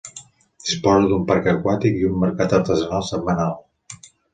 Disposa d'un parc aquàtic i un mercat artesà setmanal.